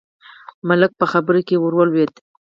ملک په خبره کې ور ولوېد: